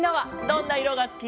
「どんな色がすき」